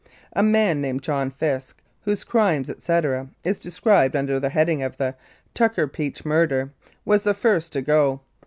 A man named John Fisk, whose crime, etc., is de scribed under the heading of the "Tucker Peach Murder,"* was the first to go.